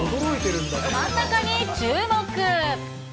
真ん中に注目。